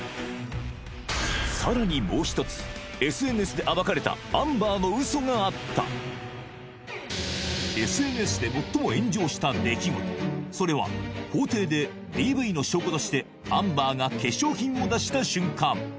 さらにもう一つＳＮＳで暴かれたアンバーの嘘があったＳＮＳで最も炎上した出来事それは法廷でＤＶの証拠としてアンバーが化粧品を出した瞬間